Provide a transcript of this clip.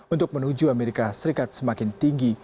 untuk menuju amerika serikat semakin tinggi